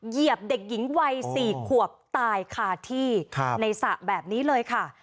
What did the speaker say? เหยียบเด็กหญิงวัย๔ขวบตายคาที่ในสระแบบนี้เลยค่ะ